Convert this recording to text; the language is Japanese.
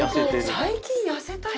最近痩せた人？